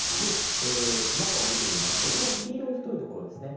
中を見てみますとこの黄色い太い所ですね